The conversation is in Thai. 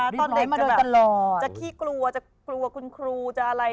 ตอนเด็กจะแบบจะขี้กลัวจะกลัวว่าคุณครูจะอะไร